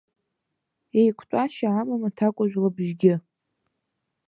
Еиқәтәашьа амам аҭакәажә лыбжьгьы.